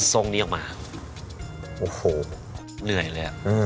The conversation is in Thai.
ส่งนี้ออกมาโอ้โหเหนื่อยเลยอ่ะ